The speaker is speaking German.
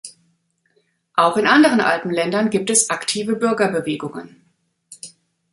Auch in anderen Alpenländern gibt es aktive Bürgerbewegungen.